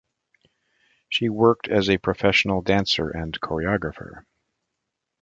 She worked as a professional dancer and choreographer.